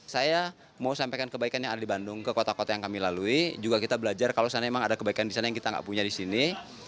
saya mau sampaikan kebaikan yang ada di bandung ke kota kota yang kami lalui juga kita belajar kalau seandainya memang ada kebaikan di sana yang kita nggak punya di sini